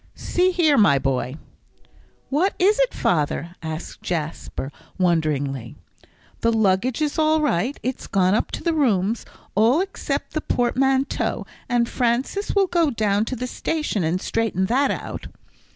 "See here, my boy." "What is it, father?" asked Jasper, wonderingly; "the luggage is all right; it's gone up to the rooms all except the portmanteau, and Francis will go down to the station and straighten that out."